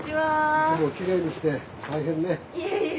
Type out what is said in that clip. いつもきれいにして大変ね。